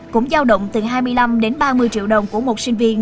cũng giao động từ hai mươi năm đến ba mươi triệu đồng của một sinh viên